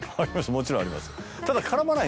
もちろんあります。